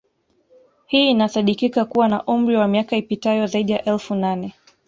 Hii inasadikika kuwa na umri wa miaka ipitayo zaidi ya elfu nane